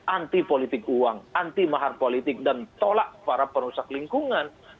anti politik uang anti mahar politik dan tolak para perusak lingkungan